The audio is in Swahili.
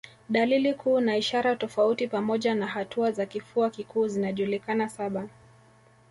Dalili kuu na ishara tofauti pamoja na hatua za kifua kikuu zinajulikana saba